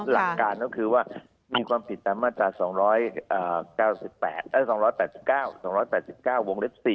หลังการก็คือมีความผิดทางมาตรา๒๘๙๒๘๙วงเลศ๔